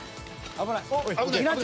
危ない。